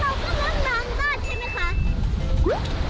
แล้วเราก็กำลังดำบ้านใช่ไหมคะ